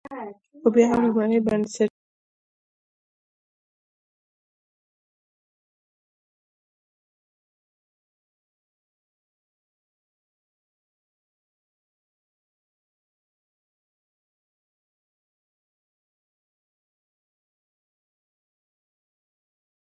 پملا په ژباړه نقد هم خپروي.